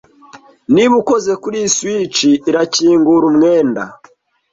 Niba ukoze kuriyi switch, irakingura umwenda